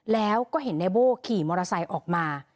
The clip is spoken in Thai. แล้วก็เห็นในโบ้ขี่มอเตอร์ไซค์ออกมา